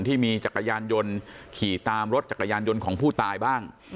ที่มีจักรยานยนต์ขี่ตามรถจักรยานยนต์ของผู้ตายบ้าง